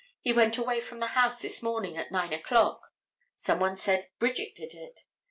He went away from the house this morning at nine o'clock. Some one said Bridget did it.